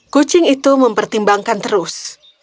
kucing itu mempertimbangkan terus